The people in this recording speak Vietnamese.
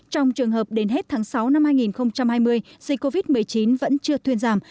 trong trường hợp đến hết tháng sáu năm hai nghìn hai mươi dịch covid một mươi chín vẫn chưa thuyên giảm